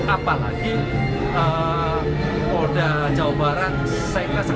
apalagi polda jabar atas penyidik